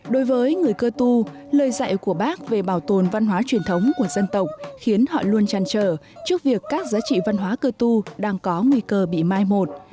đối với người cơ tu lời dạy của bác về bảo tồn văn hóa truyền thống của dân tộc khiến họ luôn chăn trở trước việc các giá trị văn hóa cơ tu đang có nguy cơ bị mai một